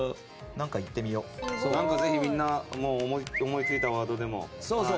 ぜひみんな思いついたワードでもね。